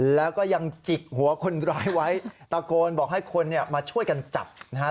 แล้วก็ยังจิกหัวคนร้ายไว้ตะโกนบอกให้คนเนี่ยมาช่วยกันจับนะฮะ